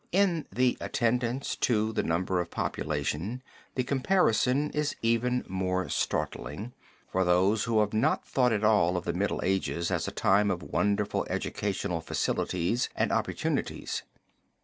In the attendance to the number of population the comparison is even more startling for those who have not thought at all of the Middle Ages as a time of wonderful educational facilities and opportunities.